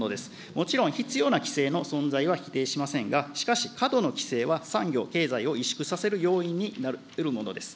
もちろん必要な規制の存在は否定はしませんが、しかし過度の規制は産業、経済を委縮させる原因になりうるものです。